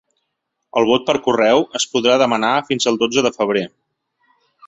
El vot per correu es podrà demanar fins al dotze de febrer.